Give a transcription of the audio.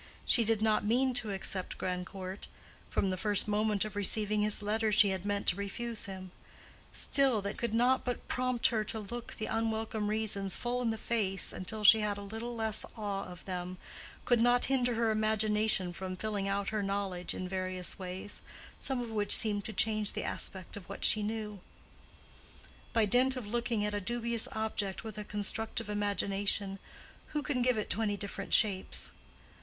She did not mean to accept Grandcourt; from the first moment of receiving his letter she had meant to refuse him; still, that could not but prompt her to look the unwelcome reasons full in the face until she had a little less awe of them, could not hinder her imagination from filling out her knowledge in various ways, some of which seemed to change the aspect of what she knew. By dint of looking at a dubious object with a constructive imagination, one can give it twenty different shapes.